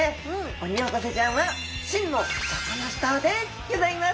オニオコゼちゃんは真のサカナスターでギョざいます。